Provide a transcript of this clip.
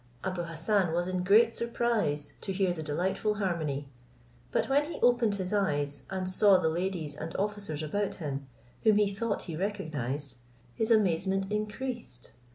Abou Hassan was in great surprise to hear the delightful harmony; but when he opened his eyes, and saw the ladies and officers about him, whom he thought he recognized, his amazement increased.